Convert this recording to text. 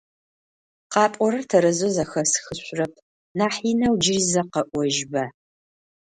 КъапӀорэр тэрэзэу зэхэсхышъурэп, нахь инэу джыри зэ къэӀожьба.